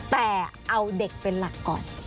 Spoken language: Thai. แต่เอาเด็กเป็นหลักก่อน